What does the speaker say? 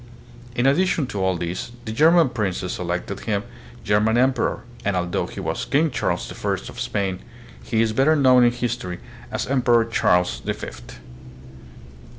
In addi tion to all this, the German princes elected him German 74 THE PHILIPPINES. emperor, and although he was King Charles the First of Spain, he is better known in history as Emperor Charles the Fifth.